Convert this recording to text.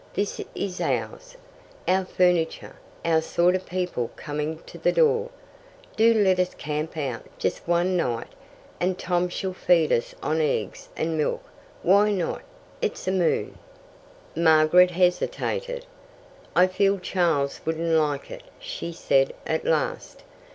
This is ours. Our furniture, our sort of people coming to the door. Do let us camp out, just one night, and Tom shall feed us on eggs and milk. Why not? It's a moon." Margaret hesitated. "I feel Charles wouldn't like it," she said at last.